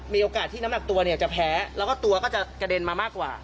มีโอกาสที่น้ำหนักตัวเนี่ยจะแพ้แล้วก็ตัวก็จะกระเด็นมามากกว่า